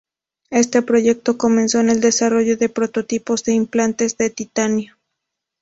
Este proyecto comenzó con el desarrollo de prototipos de implantes de titanio.